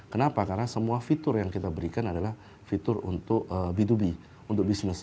kenapa karena semua fitur yang kita berikan adalah fitur untuk b dua b untuk bisnis